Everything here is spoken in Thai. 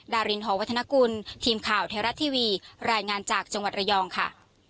ดารินหอวัฒนกุลทีมข่าวไทยรัฐทีวีรายงานจากจังหวัดระยองค่ะ